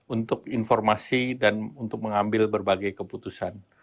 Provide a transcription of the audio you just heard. untuk informasi dan untuk mengambil berbagai keputusan